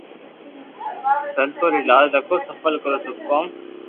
سنتو ري لاج رکو سفل ڪرو سب ڪوم